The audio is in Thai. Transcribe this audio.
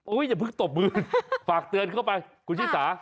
อย่าเพิ่งตบมือฝากเตือนเข้าไปคุณชิสา